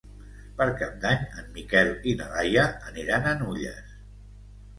Per Cap d'Any en Miquel i na Laia aniran a Nulles.